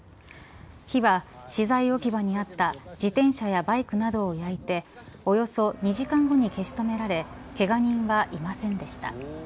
火は資材置き場にあった自転車やバイクなどを焼いておよそ２時間後に消し止められけが人はいませんでした。